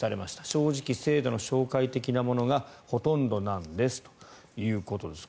正直、制度の紹介的なものがほとんどなんですということです。